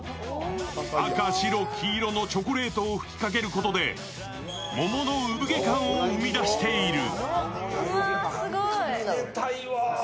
赤、白、黄色のチョコレートを吹きかけることで桃の産毛感を生み出している。